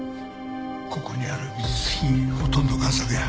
ここにある美術品ほとんど贋作や。